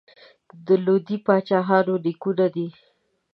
د لودي پاچاهانو نیکونه دي.